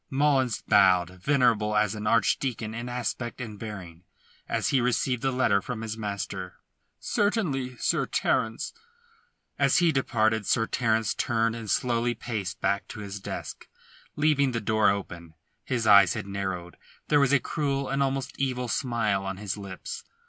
Mullins bowed, venerable as an archdeacon in aspect and bearing, as he received the letter from his master: "Certainly, Sir Terence." As he departed Sir Terence turned and slowly paced back to his desk, leaving the door open. His eyes had narrowed; there was a cruel, an almost evil smile on his lips.